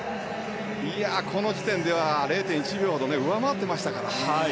この時点では０．１秒上回っていましたからね。